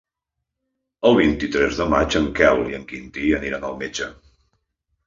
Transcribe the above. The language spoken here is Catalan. El vint-i-tres de maig en Quel i en Quintí aniran al metge.